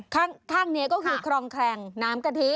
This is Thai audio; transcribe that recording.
ข้างนี้ก็คือครองแครงน้ำกะทิ